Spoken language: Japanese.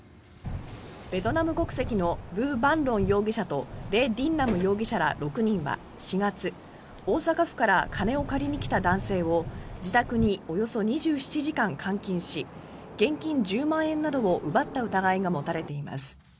ベトナム国籍のブ・バン・ロン容疑者とレ・ディン・ナム容疑者ら６人は４月大阪府から金を借りに来た男性を自宅におよそ２７時間監禁し現金１０万円などを奪った疑いが持たれています。